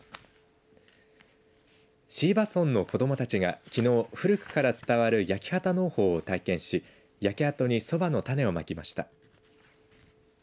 椎葉村の子どもたちがきのう古くから伝わる焼き畑農法を体験し焼け跡にそばの種をまきました。